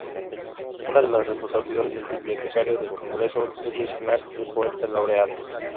Una de las responsabilidades del Bibliotecario del Congreso es designar el poeta laureado.